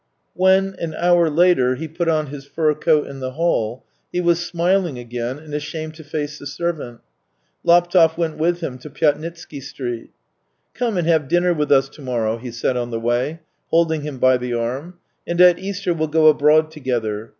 ..." When, an hour later, he put on his fur coat in the hall, he was smiling again and ashamed to face the servant. Laptev went with him to Pyatnitsky Street. " Come and have dinner with us to morrow," he said on the way, holding him by the arm, " and at Easter we'll go abroad together.